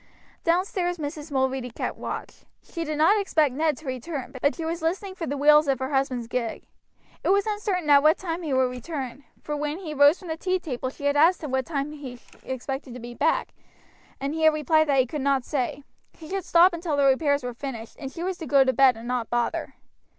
Downstairs Mrs. Mulready kept watch. She did not expect Ned to return, but she was listening for the wheels of her husband's gig. It was uncertain at what time he would return; for when he rose from the tea table she had asked him what time he expected to be back, and he had replied that he could not say; he should stop until the repairs were finished, and she was to go to bed and not bother.